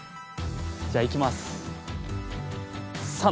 じゃあいきます！